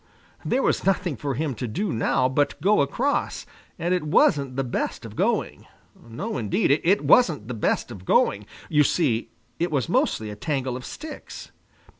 There was nothing for him to do now but go across, and it wasn't the best of going. No, indeed, it wasn't the best of going. You see, it was mostly a tangle of sticks.